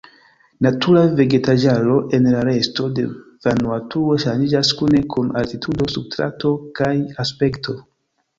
Natura vegetaĵaro en la resto de Vanuatuo ŝanĝiĝas kune kun altitudo, substrato, kaj aspekto.